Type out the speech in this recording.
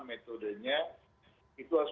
metodenya itu harus